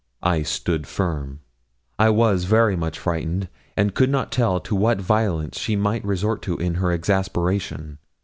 I stood firm. I was very much frightened, and could not tell to what violence she might resort in her exasperation.